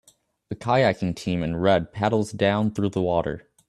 A kayaking team in red paddles down through the water